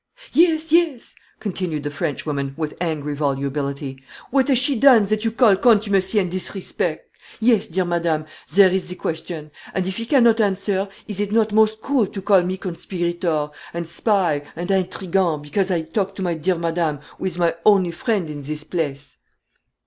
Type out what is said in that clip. "Yes, yes," continued the Frenchwoman, with angry volubility, "what has she done that you call contumacy and disrespect? Yes, dear madame, there is the question; and if he cannot answer, is it not most cruel to call me conspirator, and spy, and intrigant, because I talk to my dear madame, who is my only friend in this place?"